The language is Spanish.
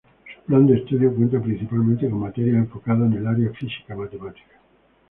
Su plan de estudio cuenta principalmente con materias enfocadas en el área física-matemática.